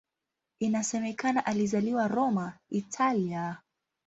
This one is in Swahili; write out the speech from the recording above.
Inasemekana alizaliwa Roma, Italia.